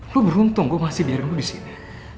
lu beruntung gue masih biarin lu disini